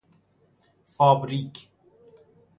فابریک